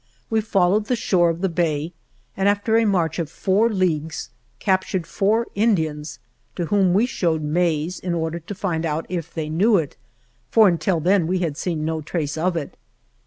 We followed the ii THE JOURNEY OF shore of the bay, and, after a march of four leagues, captured four Indians, to whom we showed maize in order to find out if they knew it, for until then we had seen no trace of it.